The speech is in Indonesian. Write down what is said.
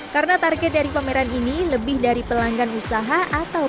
karena target dari pameran ini lebih dari pelanggan usaha atau pelanggan